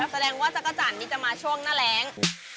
แสดงว่าจักรจันทร์นี่จะมาช่วงหน้าแรง